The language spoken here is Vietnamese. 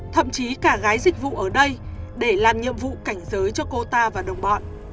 thậm chí cả gái dịch vụ ở đây để làm nhiệm vụ cảnh giới cho cô ta và đồng bọn